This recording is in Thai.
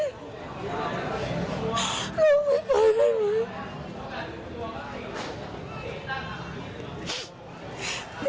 เราไม่ไปได้ไหม